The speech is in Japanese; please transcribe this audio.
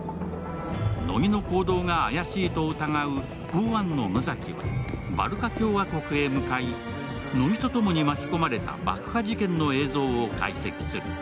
乃木の行動が怪しいと疑う考案の野崎は、バルカ共和国へ向かい乃木とともに巻き込まれた爆破事件の映像を解析する。